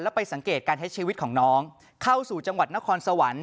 ไปสังเกตการใช้ชีวิตของน้องเข้าสู่จังหวัดนครสวรรค์